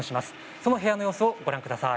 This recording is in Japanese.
その部屋の様子をご覧ください。